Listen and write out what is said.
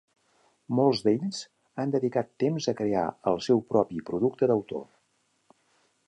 Molts d"ells han dedicat temps a crear el seu propi producte d"autor.